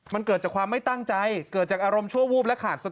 มันเกิดจากความไม่ตั้งใจเกิดจากอารมณ์ชั่ววูบ